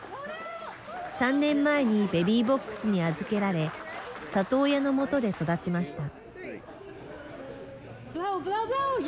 ３年前にベビーボックスに預けられ里親のもとで育ちました。